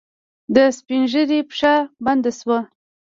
د سپينږيري پښه بنده شوه.